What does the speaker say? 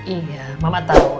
iya mama tau